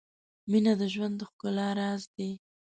• مینه د ژوند د ښکلا راز دی.